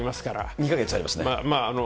２か月ありますね。